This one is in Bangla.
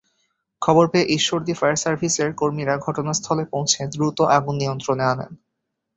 খবর পেয়ে ঈশ্বরদী ফায়ার সার্ভিসের কর্মীরা ঘটনাস্থলে পৌঁছে দ্রুত আগুন নিয়ন্ত্রণ আনেন।